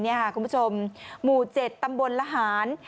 เนี่ยค่ะคุณผู้ชมหมู่เจ็ดตำบลระหาร